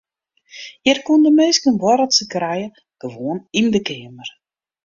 Hjir koenen de minsken in boarreltsje krije gewoan yn de keamer.